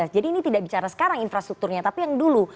jadi ini tidak bicara sekarang infrastrukturnya tapi yang dulu